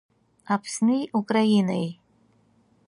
Аԥсни Украинеи.